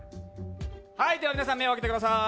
はい、皆さん、目を開けてください。